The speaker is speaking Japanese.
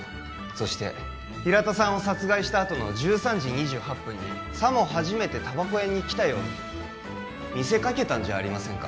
そして平田さんを殺害したあとの１３時２８分にさも初めてタバコ屋に来たように見せかけたんじゃありませんか？